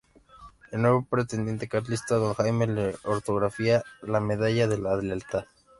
El nuevo pretendiente carlista, Don Jaime, le otorgaría la Medalla de la Lealtad.